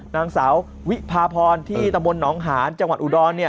นางสาววิพาพรที่ตำบลหนองหานจังหวัดอุดร